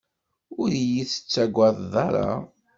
Ur iyi-tettagadeḍ ara.